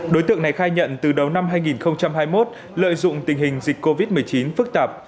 đối tượng này khai nhận từ đầu năm hai nghìn hai mươi một lợi dụng tình hình dịch covid một mươi chín phức tạp